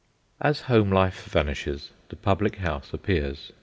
As home life vanishes, the public house appears.